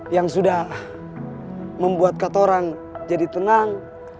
yang sudah membuat kotoran jadi tenang